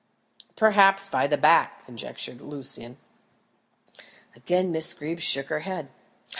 "Perhaps by the back," conjectured Lucian. Again Miss Greeb shook her head.